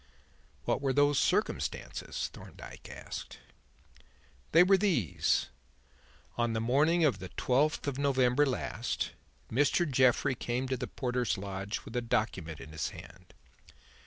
"What were those circumstances?" Thorndyke asked. "They were these: On the morning of the twelfth of November last, Mr. Jeffrey came to the porter's lodge with a document in his hand.